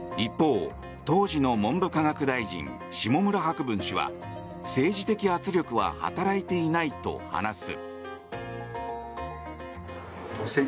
一方、当時の文部科学大臣下村博文氏は政治的圧力は働いていないと話す。